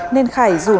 nên khải dùm